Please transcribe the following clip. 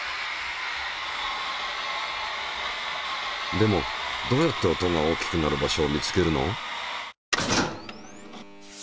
でもどうやって音が大きくなる場所を見つけるの？